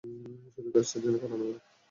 শুধু গাছটা যেন কাটা না পড়ে।